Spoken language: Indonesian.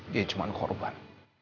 dia cuma korban